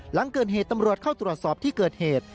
หลังเกิดเหตุตำรวจเข้าตรวจสอบที่เกิดเหตุ